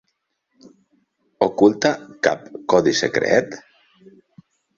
Oculta cap codi secret?